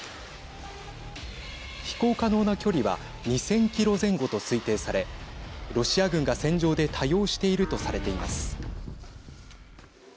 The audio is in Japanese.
飛行可能な距離は２０００キロ前後と推定されロシア軍が戦場で多用しているとされています。